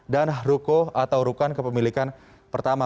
dan ruko atau rukan kepemilikan pertama